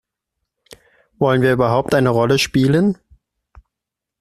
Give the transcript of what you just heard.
Wollen wir überhaupt eine Rolle spielen?